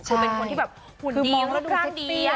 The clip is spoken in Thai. คือเป็นคนที่แบบหุ่นดีหรือกลางดีวะ